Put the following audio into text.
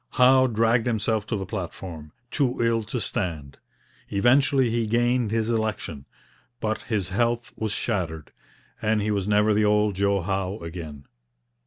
Howe dragged himself to the platform, too ill to stand. Eventually he gained his election, but his health was shattered, and he was never the old Joe Howe again.